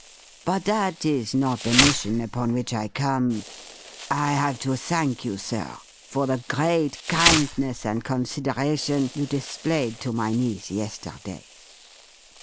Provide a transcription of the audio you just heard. But that is not the mission upon which I come. I have to thank you, sir, for the great kindness and consideration you displayed to my niece yesterday."